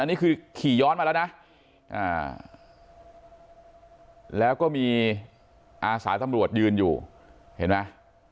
อันนี้คือขี่ย้อนมาแล้วนะอ่าแล้วก็มีอาศาสตร์ทำรวจยืนอยู่เห็นมั้ย